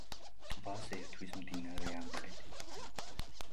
ტბას ერთვის მდინარე ამტყელი.